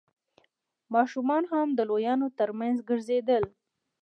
ماشومان هم د لويانو تر مينځ ګرځېدل.